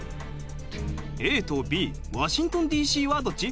ＡとＢワシントンＤ．Ｃ．はどっち？